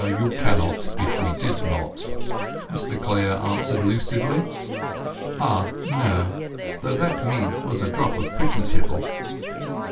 "You cannot, if we did not," Mr Clare answered lucidly. "Ah—no; though that mead was a drop of pretty tipple."